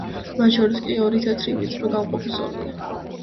მათ შორის კი ორი თეთრი ვიწრო გამყოფი ზოლია.